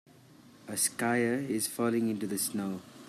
A skier is falling into the snow.